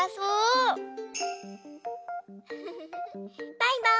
バイバーイ。